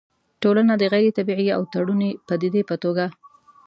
ټولنه د غيري طبيعي او تړوني پديدې په توګه